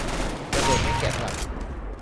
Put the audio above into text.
ระเบิดไม่แกะสลัก